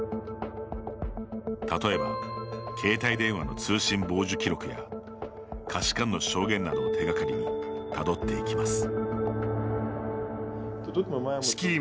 例えば携帯電話の通信傍受記録や下士官の証言などを手がかりにたどっていきます。